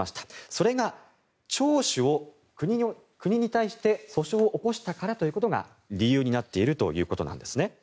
それが国に対して訴訟を起こしたからということが理由になっているということなんですね。